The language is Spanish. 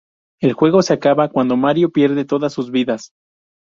El juego se acaba cuando Mario pierde todas sus vidas.